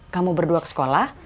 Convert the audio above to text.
kamu berdua ke sekolah